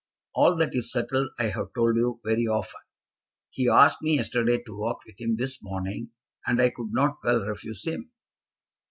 "All that is settled I have told you very often. He asked me yesterday to walk with him this morning, and I could not well refuse him."